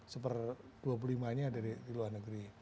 seper dua puluh lima nya ada di luar negeri